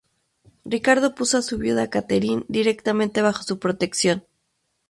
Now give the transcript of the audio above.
Ricardo puso a su viuda Katherine directamente bajo su protección.